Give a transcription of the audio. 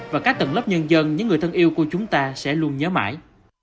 và các tầng lớp nhân dân những người thân yêu của chúng ta sẽ luôn nhớ mãi